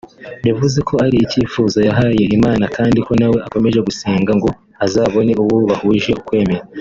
yavuze ko ari icyifuzo yahaye Imana kandi ko nawe akomeje gusenga ngo azabone uwo bahuje ukwemera